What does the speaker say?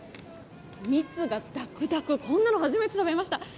蜜がだくだく、こんなの初めて食べました。